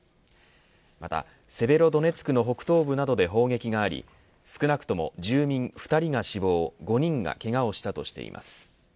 また、セベロドネツクの北東部などで砲撃があり少なくとも住民２人が死亡５人がけがをしたとしています。